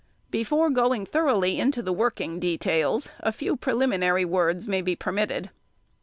Before going thoroughly into the working details a few preliminary words may be permitted.